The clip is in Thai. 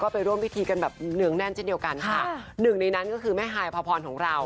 ไปร่วมพิธีกันแบบเนืองแน่นเช่นเดียวกันค่ะหนึ่งในนั้นก็คือแม่ฮายพพรของเรา